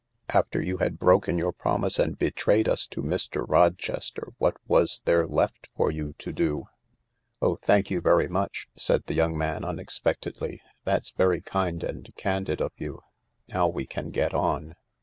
" After you had broken your promise and betrayed us to Mr. Rochester, what was there left for you to do ?" THE LARK " Oh, thank you very much I " said the young man un expectedly. "That's very kind and candid of you. Now we can get on.